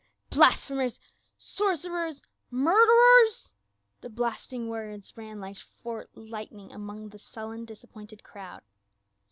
"Blasphemers — sorcerers — murderers!" the blast ing words ran like forked lightning amid the sullen disappointed crowd.